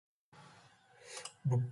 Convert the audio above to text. buku edisi saku